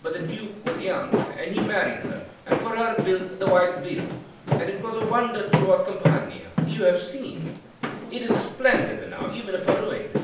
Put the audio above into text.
But the Duke was young, and he married her, and for her built the white villa; and it was a wonder throughout Campania,—you have seen? It is splendid now, even if a ruin.